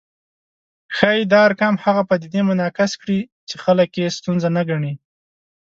ښايي دا ارقام هغه پدیدې منعکس کړي چې خلک یې ستونزه نه ګڼي